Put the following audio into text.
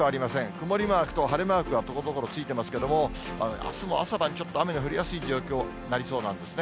曇りマークと晴れマークがところどころついていますけれども、あすも朝晩、ちょっと雨の降りやすい状況になりそうなんですね。